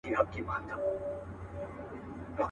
پر خپل پلار باندي شکمن سو ورپسې سو.